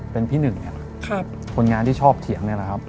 เป็นพี่หนึ่งคนงานที่ชอบเถียง